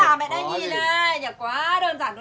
làm như bọn tôi không biết làm